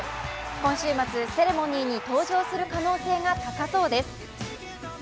今週末セレモニーに登場する可能性が高そうです。